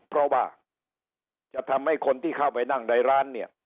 เพราะว่าจะทำให้คนที่เข้าไปนั่งในร้านเนี่ย